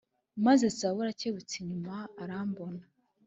Maze Sawuli akebutse inyuma arambona